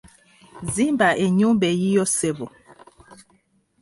Zimba ennyumba eyiyo ssebo.